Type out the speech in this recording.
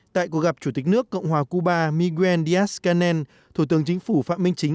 tại cuộc gặp chủ tịch nước cộng hòa cuba miguel díaz canel thủ tướng chính phủ phạm minh chính